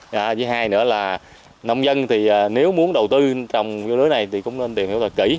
thứ hai nữa là nông dân thì nếu muốn đầu tư trồng dưa lưới này thì cũng nên tìm hiểu thật kỹ